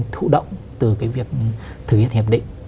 thụ động từ cái việc thực hiện hiệp định